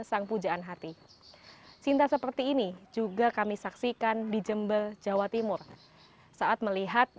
sang pujaan hati cinta seperti ini juga kami saksikan di jember jawa timur saat melihat